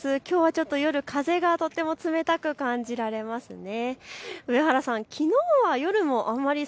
きょうはちょっと夜、風が冷たく感じられますね。